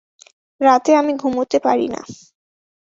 রাতে আমি ঘুমুতে পারি না।